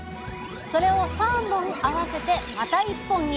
それを３本合わせてまた１本に。